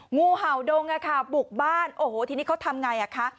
งูเห่าดงอะค่ะบุกบ้านโอ้โหทีนี้เขาทำไงอ่ะคะ